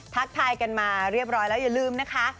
ทักทายกันมาเรียบร้อยแล้วอย่าลืมนะคะ